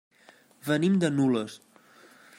Venim de Nules.